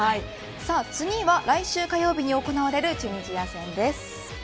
次は来週火曜日に行われるチュニジア戦です。